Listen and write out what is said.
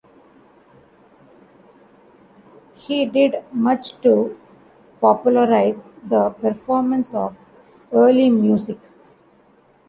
He did much to popularize the performance of early music.